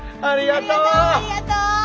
ありがとう！